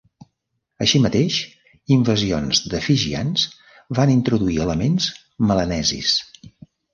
Així mateix, invasions de fijians van introduir elements melanesis.